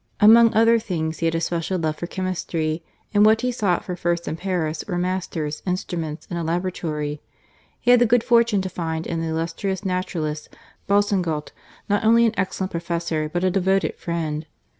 Among other things, he had a special love for chemistry, and what he sought for first in Paris were masters, instruments, and a laboratory. He had the good fortune to find in the illustrious naturalist, Boussingault, not only an excellent professor, but a devoted friend.